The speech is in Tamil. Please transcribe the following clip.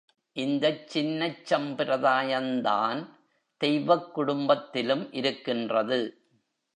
இந்தச் சின்னச் சம்பிரதாயந்தான் தெய்வக் குடும்பத்திலும் இருக்கின்றது.